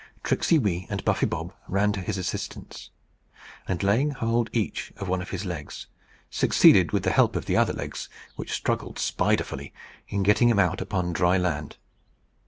Tricksey Wee and Buffy Bob ran to his assistance, and laying hold each of one of his legs, succeeded, with the help of the other legs, which struggled spiderfully, in getting him out upon dry land.